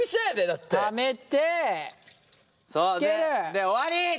で終わり！